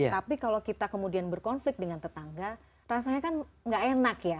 tapi kalau kita kemudian berkonflik dengan tetangga rasanya kan nggak enak ya